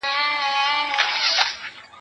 زه پرون مېوې راټولوم وم!!